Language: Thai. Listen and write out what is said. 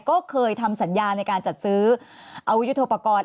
ก็เคยทำสัญญาในการจัดซื้ออวิทยุโธปรากฏ